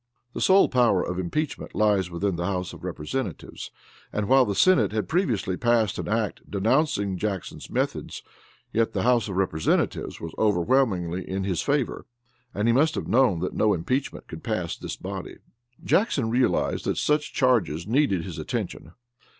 The sole power of impeachment lies within the House of Representatives, and, while the senate had previously passed an act denouncing Jackson's methods, yet the House of Representatives was overwhelmingly in his favor, and he must have known that no impeachment could pass this body. Jackson realized that such charges needed his attention.